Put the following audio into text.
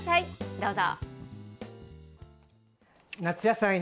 どうぞ。